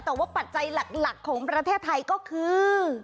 แต่ว่าปัจจัยหลักของประเทศไทยก็คือ